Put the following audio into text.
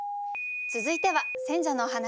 続いては選者のお話。